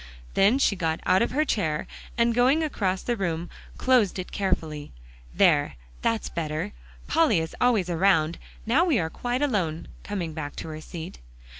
Then she got out of her chair, and going across the room, closed it carefully. "There, that's better; Polly is always around. Now we are quite alone," coming back to her seat.